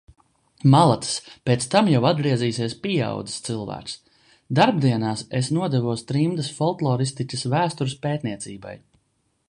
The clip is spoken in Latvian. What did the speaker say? Malacis! Pēc tam jau atgriezīsies pieaudzis cilvēks. Darbdienās es nodevos trimdas folkloristikas vēstures pētniecībai.